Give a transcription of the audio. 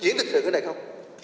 chuyển thực sự cái này không